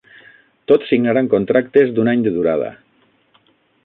Tots signaran contractes d'un any de durada.